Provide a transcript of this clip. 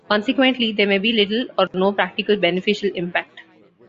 Consequently, there may be little or no practical beneficial impact.